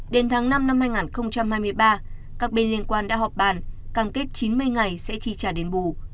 đến tháng năm năm hai nghìn hai mươi ba các bên liên quan đã họp bàn càng kết chín mươi ngày sẽ trì trả đến bù